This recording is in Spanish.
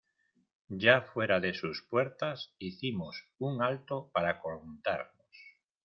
ya fuera de sus puertas hicimos un alto para contarnos.